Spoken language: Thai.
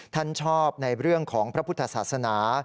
ท่านชอบในเรื่องของพระพุทธศาสนา